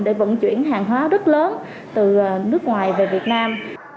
để vận chuyển hàng hóa rất lớn từ nước ngoài về việt nam